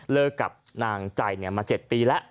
เลิกกับนางใจเนี่ยมา๗ปีแล้ว